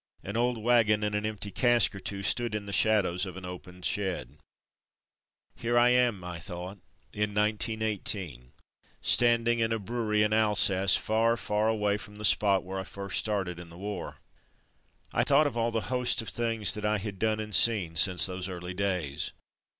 An old wagon and an empty cask or two stood in the shadows of an open shed. A Brewery Billet 285 ''Here I am/' I thought, ''in 1918, stand ing in a brewery in Alsace, far, far away from the spot where I first started in the war. '' I thought of all the host of things that I had done and seen since those early days.